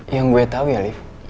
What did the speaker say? yang gue tau ya liv